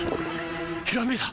ひらめいた！